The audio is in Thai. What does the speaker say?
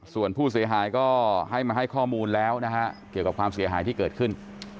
ส่วนผู้เสียหายก็ให้มาให้ข้อมูลแล้วนะฮะเกี่ยวกับความเสียหายที่เกิดขึ้น